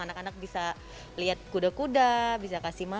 anak anak bisa lihat kuda kuda bisa kasih makan